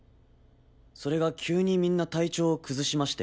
それが急にみんな体調を崩しまして。